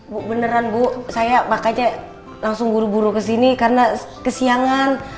bu beneran bu saya makanya langsung buru buru kesini karena kesiangan